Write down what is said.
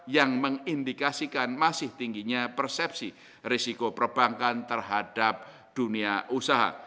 yang mengindikasikan masih tingginya persepsi risiko perbankan terhadap dunia usaha